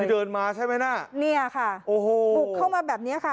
เดินมาใช่ไหมน่ะเนี่ยค่ะโอ้โหบุกเข้ามาแบบเนี้ยค่ะ